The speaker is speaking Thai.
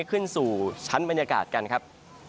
ขึ้นสู่ชั้นบรรยากาศกันครับ